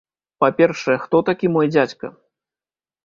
Па-першае, хто такі мой дзядзька?